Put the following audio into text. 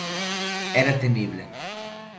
Era temible.